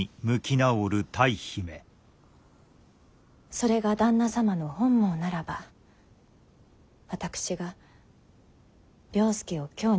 それが旦那様の本望ならば私が了助を京に逃がします。